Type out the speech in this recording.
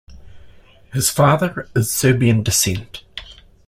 His father is Serbian descent.